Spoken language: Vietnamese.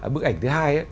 bức ảnh thứ hai